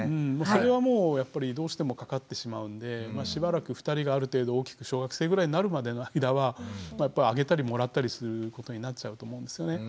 それはもうやっぱりどうしてもかかってしまうんでしばらく２人がある程度大きく小学生ぐらいになるまでの間はやっぱりあげたりもらったりすることになっちゃうと思うんですよね。